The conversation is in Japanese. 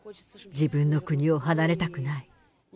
自分の国を離れたくない。